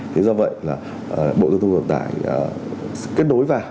thế do vậy là bộ giao thông vận tải kết nối vào